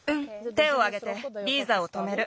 手をあげてリーザをとめる。